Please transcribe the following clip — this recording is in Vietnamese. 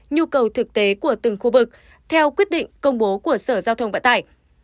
nhu cầu thực tế của từng khu vực theo quyết định công bố của sở giao thông vận tải